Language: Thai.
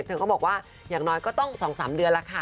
เธอก็บอกว่าอย่างน้อยก็ต้อง๒๓เดือนแล้วค่ะ